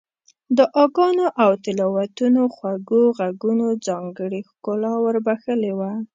دعاګانو او تلاوتونو خوږو غږونو ځانګړې ښکلا ور بخښلې وه.